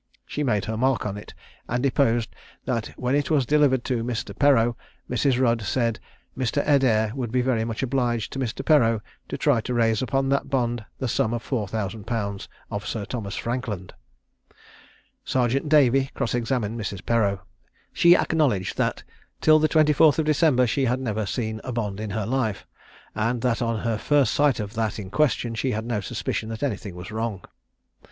She made her mark on it, and deposed that when it was delivered to Mr. Perreau, Mrs. Rudd said, "Mr. Adair would be very much obliged to Mr. Perreau to try to raise upon that bond the sum of four thousand pounds of Sir Thomas Frankland." Sergeant Davy cross examined Mrs. Perreau. She acknowledged that till the 24th of December she had never seen a bond in her life; and that on her first sight of that in question she had no suspicion that anything was wrong.